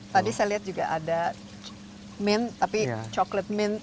tadi saya lihat juga ada mint tapi coklat mint